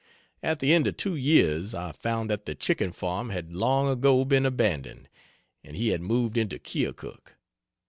At the end of two years I found that the chicken farm had long ago been abandoned, and he had moved into Keokuk.